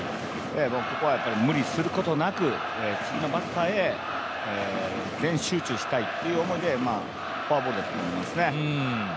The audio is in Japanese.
ここは無理することなく次のバッターへ全集中したいという思いでフォアボールだと思うんですね。